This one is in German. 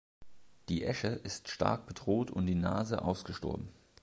Die Äsche ist stark bedroht und die Nase ausgestorben.